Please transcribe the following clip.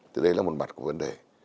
thế đây là một mặt của vấn đề